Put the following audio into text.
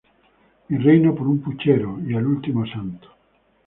Mi reino por un puchero" y "El último santo".